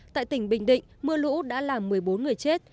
tại tỉnh bình định mưa lũ đã làm một mươi bốn người chết